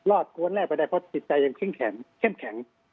รอดกวนแรกไปได้เพราะสิดใจยังแข้มแข็ง